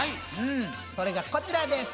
それがこちらです！